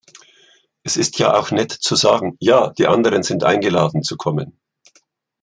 Es ist ja auch nett zu sagen "Ja, die anderen sind eingeladen, zu kommen".